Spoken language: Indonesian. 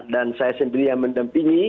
dan saya sendiri yang mendampingi